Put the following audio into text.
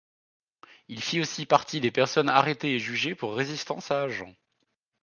Il fit aussi partie des personnes arrêtées et jugées pour résistance à agents.